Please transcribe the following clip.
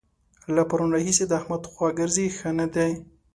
له پرونه راهسې د احمد خوا ګرځي؛ ښه نه دی.